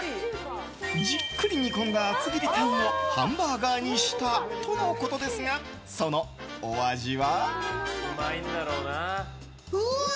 じっくり煮込んだ厚切りタンをハンバーガーにしたとのことですが、そのお味は？